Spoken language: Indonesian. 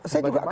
saya juga kaget